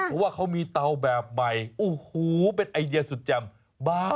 เพราะว่าเขามีเตาแบบใหม่โอ้โหเป็นไอเดียสุดแจ่ม